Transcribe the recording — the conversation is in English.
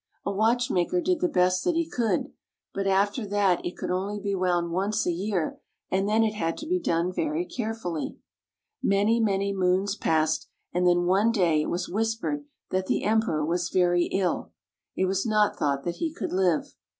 A watch maker did the best that he could; but after that it could be wound only once a year, and then it had to be done very carefully. Many, many moons passed, and then one day it was whispered that the Emperor was very ill. It was not thought that he could live.